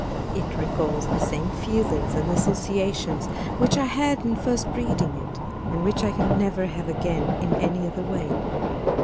It recalls the same feelings and associations which I had in first reading it, and which I can never have again in any other way.